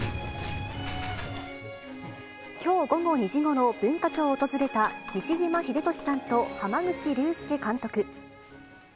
きょう午後２時ごろ、文化庁を訪れた西島秀俊さんと濱口竜介監督。